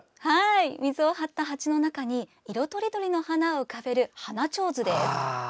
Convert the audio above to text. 水を張った鉢の中に色とりどりの花を浮かべる花手水です。